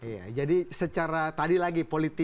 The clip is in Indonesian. iya jadi secara tadi lagi politik